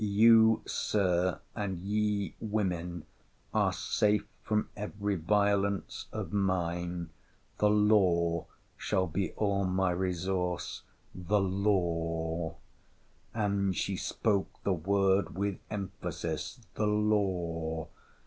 You, Sir, and ye women, are safe from every violence of mine. The LAW shall be all my resource: the LAW,' and she spoke the word with emphasis, the LAW!